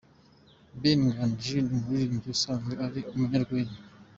Ben Nganji ni umuririmbyi usanzwe ari umunyarwenya.